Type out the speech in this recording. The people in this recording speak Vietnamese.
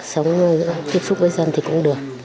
sống tiếp xúc với dân thì cũng được